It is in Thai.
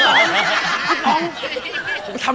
อยากไปก่อนมั้ย